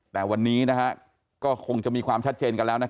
แต่วันนี้ก็คงจะมีความชัดเจนกันแล้ว